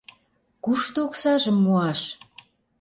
Кушто оксажым муаш?